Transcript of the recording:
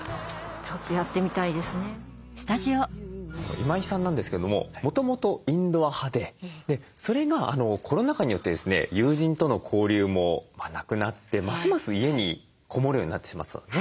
今井さんなんですけれどももともとインドア派でそれがコロナ禍によってですね友人との交流もなくなってますます家にこもるようになってしまってたんですね。